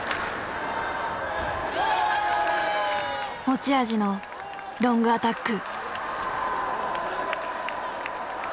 持ち味のロングアタック。